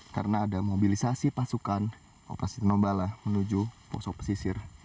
karena ada mobilisasi pasukan operasi tinombala menuju poso pesisir